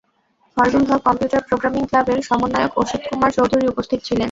Faizul Haque, computer programming ক্লাবের সমন্বয়ক অসিত কুমার চৌধুরী উপস্থিত ছিলেন।